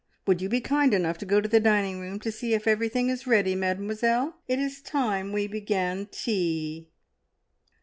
Would you be kind enough to go to the dining room to see if everything is ready, Mademoiselle? It is time we began tea."